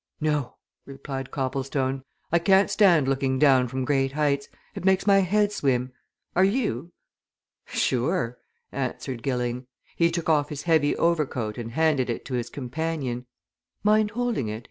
"No!" replied Copplestone. "I can't stand looking down from great heights. It makes my head swim. Are you?" "Sure!" answered Gilling. He took off his heavy overcoat and handed it to his companion. "Mind holding it?"